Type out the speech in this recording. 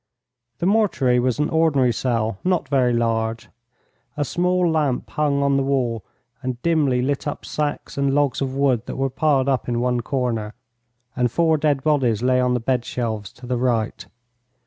The mortuary was an ordinary cell, not very large. A small lamp hung on the wall and dimly lit up sacks and logs of wood that were piled up in one corner, and four dead bodies lay on the bedshelves to the right.